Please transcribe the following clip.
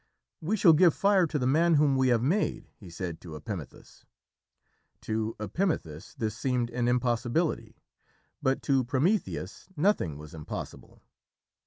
"We shall give Fire to the Man whom we have made," he said to Epimethus. To Epimethus this seemed an impossibility, but to Prometheus nothing was impossible.